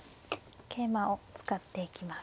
桂馬を使っていきます。